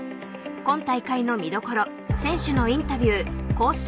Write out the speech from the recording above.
今大会の見どころ選手のインタビューコース